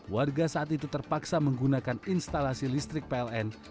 warga saat itu terpaksa menggunakan instalasi listrik pln